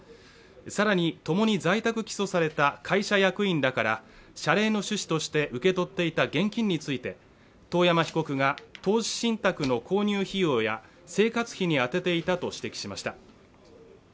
更に、ともに在宅起訴された会社役員らから謝礼の趣旨として受け取っていた現金について遠山被告が投資信託の購入費用や生活費に充てていたと指摘しました。